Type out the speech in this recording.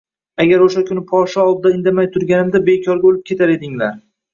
O‘sha kuni podsho oldida indamay turganimda bekorga o‘lib ketar edinglar